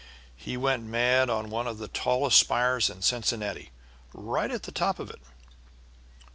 He went mad on one of the tallest spires in Cincinnati; right at the top of it."